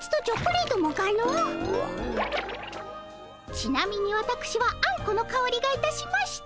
ちなみにわたくしはあんこのかおりがいたしました。